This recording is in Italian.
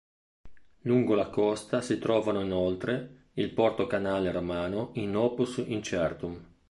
Lungo la costa si trovano inoltre il porto-canale romano in "opus incertum".